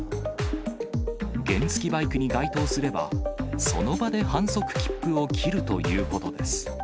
原付バイクに該当すれば、その場で反則切符を切るということです。